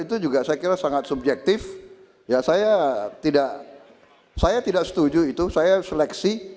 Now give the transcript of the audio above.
itu juga saya kira sangat subjektif ya saya tidak saya tidak setuju itu saya seleksi